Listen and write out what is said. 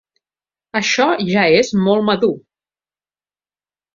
Això ja és molt madur.